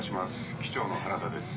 機長の原田です。